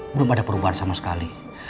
belum ada perubahan sama sekali